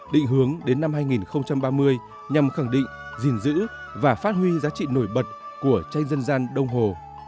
định hướng đến năm hai nghìn ba mươi nhằm khẳng định gìn giữ và phát huy giá trị nổi bật của tranh dân gian đông hồ